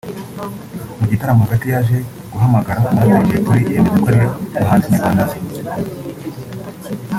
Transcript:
Mu gitaramo hagati yaje guhamagara umuraperi Jay Polly yemeza ko ariwe muhanzi nyarwanda azi